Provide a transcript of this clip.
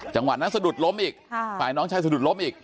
จังหวะนั้นสะดุดล้มอีกฝ่ายน้องชายสะดุดล้มอีก